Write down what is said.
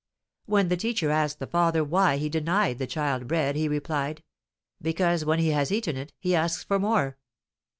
When the teacher asked the father why he denied the child bread, he replied: "Because, when he has eaten it, he asks for more."